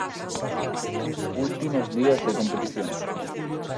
Últimos días de competición.